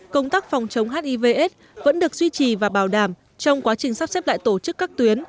công tác phòng chống hivs vẫn được duy trì và bảo đảm trong quá trình sắp xếp lại tổ chức các tuyến